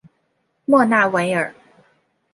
莫纳维尔。